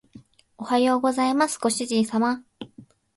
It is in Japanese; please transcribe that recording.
おはようございますご主人様